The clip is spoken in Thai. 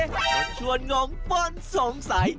ชวนงงป้นสงสัย